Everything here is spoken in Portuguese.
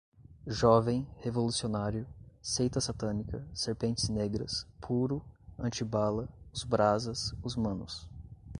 jovem, revolucionário, seita satânica, serpentes negras, puro, antibala, os brasas, os manos